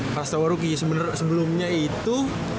prastawa ruki sebenernya sebelumnya itu